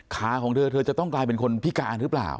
ของเธอเธอจะต้องกลายเป็นคนพิการหรือเปล่า